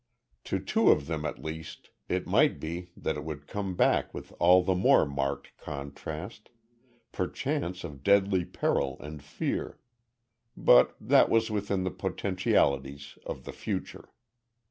To two of them at least it might be that it would come back with all the more marked contrast perchance of deadly peril and fear but that was within the potentialities of the Future.